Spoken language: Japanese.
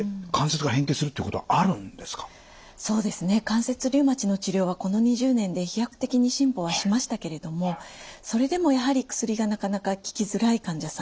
関節リウマチの治療はこの２０年で飛躍的に進歩はしましたけれどもそれでもやはり薬がなかなか効きづらい患者さん